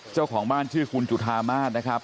เจ้าของบ้านชื่อคุณจุธามาศนะครับ